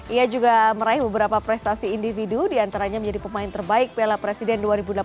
ia juga meraih beberapa prestasi individu diantaranya menjadi pemain terbaik piala presiden dua ribu delapan belas